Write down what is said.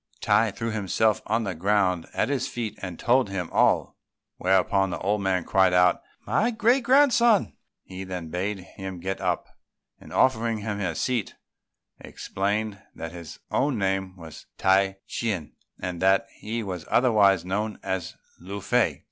Tai threw himself on the ground at his feet, and told him all; whereupon the old man cried out, "My great grandson!" He then bade him get up; and offering him a seat, explained that his own name was Tai Ch'ien, and that he was otherwise known as Lung fei.